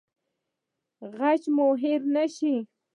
غیچي مو هیره نه شي